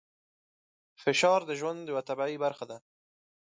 فشار د ژوند یوه طبیعي برخه ده.